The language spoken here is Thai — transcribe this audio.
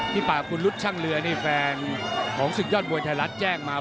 ป่าคุณรุษช่างเรือนี่แฟนของศึกยอดมวยไทยรัฐแจ้งมา